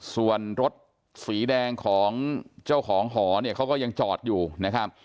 ส่วนรถสีแดงของเจ้าของหอเนี่ยเขาก็ยังจอดอยู่นะครับ